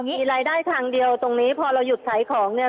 มีรายได้ทางเดียวตรงนี้พอเราหยุดขายของเนี่ย